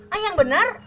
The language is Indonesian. ah yang bener